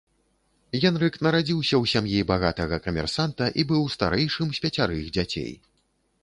Генрык нарадзіўся ў сям'і багатага камерсанта і быў старэйшым з пяцярых дзяцей.